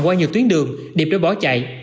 qua nhiều tuyến đường điệp đã bỏ chạy